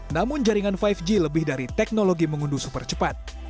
namun jaringan lima g lebih dari teknologi mengunduh super cepat